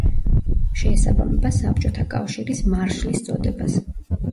შეესაბამება საბჭოთა კავშირის მარშლის წოდებას.